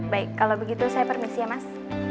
baik kalau begitu saya permisi ya mas